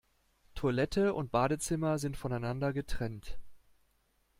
Toilette und Badezimmer sind voneinander getrennt.